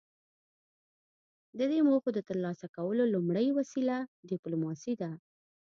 د دې موخو د ترلاسه کولو لومړۍ وسیله ډیپلوماسي ده